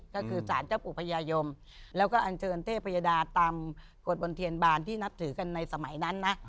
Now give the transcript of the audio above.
ก็คือสารเจ้าปู่พญายมแล้วก็อันเชิญเทพยดาตามกฎบนเทียนบานที่นับถือกันในสมัยนั้นนะ